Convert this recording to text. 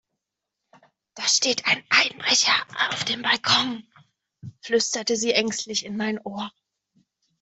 Da steht ein Einbrecher auf dem Balkon, flüsterte sie ängstlich in mein Ohr.